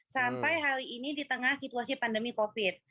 sampai hari ini di tengah situasi pandemi covid